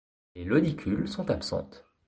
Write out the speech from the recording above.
Les lodicules sont absentes.